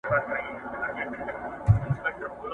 هغه څوک چي پوښتنه کوي پوهه اخلي!.